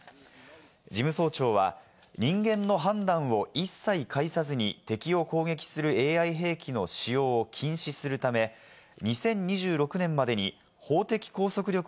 事務総長は人間の判断を一切介さずに適用攻撃するＡＩ兵器の使用を禁止するため、まだ始めてないの？